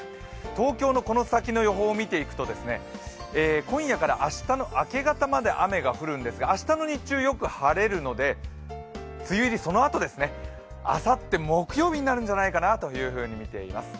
東京のこの先の予報を見ていくと今夜から明日の明け方まで雨が降るんですが明日の日中よく晴れるので梅雨入りそのあとですね、あさって木曜日になるんじゃないかなというふうにみています。